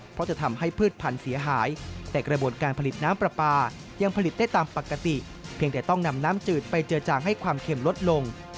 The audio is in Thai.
เพราะจะทำให้พืชพันธุ์เสียหายแต่กระบวนการผลิตน้ำปลาปลายังผลิตได้ตามปกติเพียงแต่ต้องนำน้ำจืดไปเจอจางให้ความเข็มลดลง